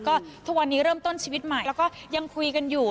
ก็ทุกวันนี้เริ่มต้นชีวิตใหม่แล้วก็ยังคุยกันอยู่